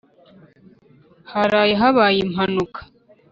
haraye habaye impanuka